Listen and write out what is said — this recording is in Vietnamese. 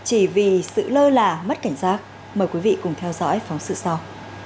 chỉ vì sự lơ là mất cảnh giác mời quý vị cùng theo dõi phóng sự sau